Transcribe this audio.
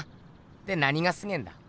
で何がすげえんだ？